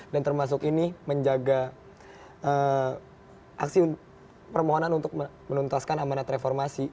termasuk ini menjaga aksi permohonan untuk menuntaskan amanat reformasi